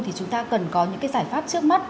thì chúng ta cần có những cái giải pháp trước mắt